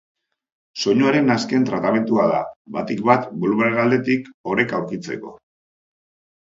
Soinuaren azken tratamendua da, batik bat bolumen aldetik, oreka aurkitzeko.